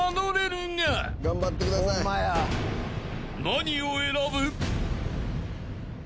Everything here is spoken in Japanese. ［何を選ぶ？］